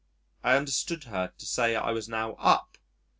I understood her to say I was now UP!